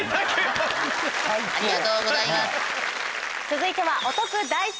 続いては。